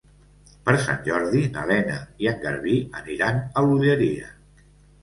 Per Sant Jordi na Lena i en Garbí aniran a l'Olleria.